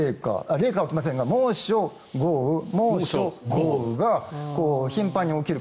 冷夏は来ませんが猛暑、豪雨、猛暑、豪雨とこう頻繁に起きる。